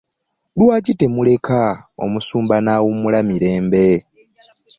Lwaki temuleka omusumba nawumula mirembe?